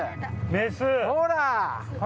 ほら！